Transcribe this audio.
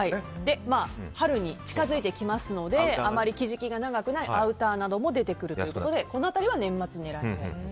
春に近づいてきますのであまり着る時期が長くないアウターなども出てくるということでこの辺りは安くなる。